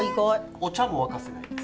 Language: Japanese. お茶も沸かせないです。